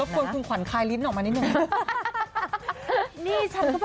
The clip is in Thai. แล้วควรคุมขวัญคายลิสต์ออกมานิดหนึ่ง